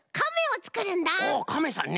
おおカメさんね。